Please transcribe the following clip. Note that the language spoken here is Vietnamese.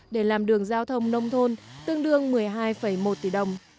để làm đường giao thông nông thôn tương đương một mươi hai một tỷ đồng